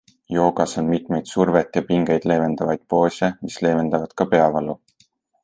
Joogas on mitmeid survet ja pingeid leevendavaid poose, mis leevendavad ka peavalu.